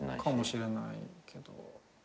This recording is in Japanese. かもしれないけど。